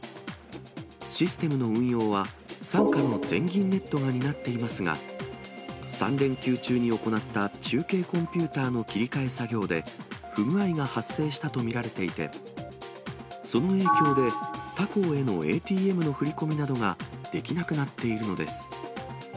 システムの運用は傘下の全銀ネットが担っていますが、３連休中に行った中継コンピューターの切り替え作業で不具合が発生したと見られていて、その影響で、他行へのＡＴＭの振り込みなどができなくなっているのです。